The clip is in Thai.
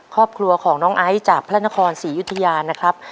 ครอบครัวของน้องไอซ์จากพระนครศรียุธยานะครับ